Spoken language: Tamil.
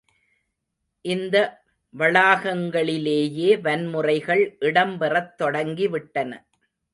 இந்த வளாகங்களிலேயே வன்முறைகள் இடம்பெறத் தொடங்கிவிட்டன.